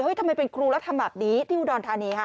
ทำไมเป็นครูแล้วทำแบบนี้ที่อุดรธานีค่ะ